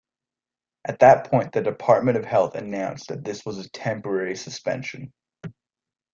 At that point the Department of Health announced that this was a temporary suspension.